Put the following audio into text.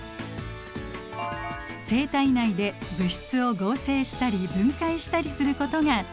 生体内で物質を合成したり分解したりすることが代謝です。